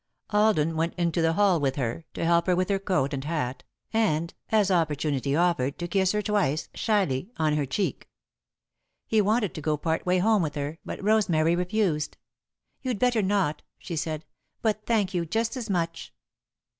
Alden went into the hall with her, to help her with her coat and hat, and, as opportunity offered, to kiss her twice, shyly, on her cheek. He wanted to go part way home with her, but Rosemary refused. "You'd better not," she said, "but thank you just as much."